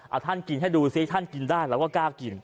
เอาท่านกินให้ดูซิท่านกินได้เราก็กล้ากิน